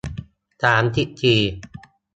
สามสิบสี่